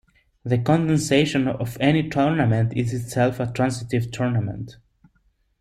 The condensation of any tournament is itself a transitive tournament.